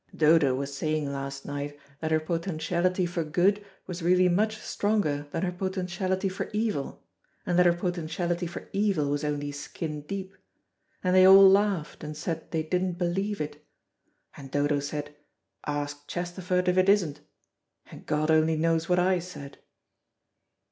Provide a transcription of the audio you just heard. Dodo was saying last night that her potentiality for good was really much stronger than her potentiality for evil, and that her potentiality for evil was only skin deep, and they all laughed, and said they didn't believe it. And Dodo said, 'Ask Chesterford if it isn't,' and God only knows what I said."